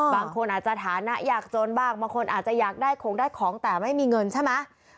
บางคนอาจจะฐานะยากจนบ้างบางคนอาจจะอยากได้ของได้ของแต่ไม่มีเงินใช่ไหม